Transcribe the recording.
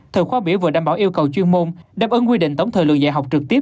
thời khóa biểu vừa đảm bảo yêu cầu chuyên môn đáp ứng quy định tổng thời lượng dạy học trực tiếp